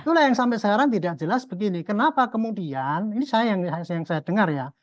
itulah yang sampai sekarang tidak jelas begini kenapa kemudian ini yang saya dengar ya